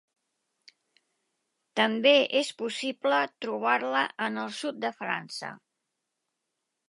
També és possible trobar-la en el sud de França.